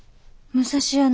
武蔵屋の？